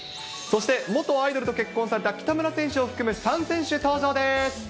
そして元アイドルと結婚された北村選手を含む３選手、登場です。